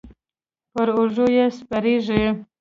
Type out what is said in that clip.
پر اوږو یې سپرېږي.